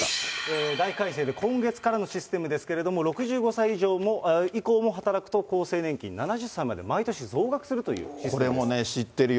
大改正で今月からのシステムですけれども、６５歳以降も働くと厚生年金７０歳まで毎年増額するというシステ